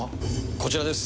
こちらです。